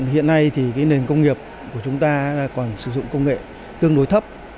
hiện nay thì cái nền công nghiệp của chúng ta còn sử dụng công nghệ tương đối thấp